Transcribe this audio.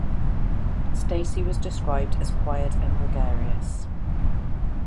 Stacey was described as quiet and gregarious.